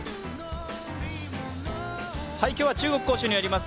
今日は中国・杭州にあります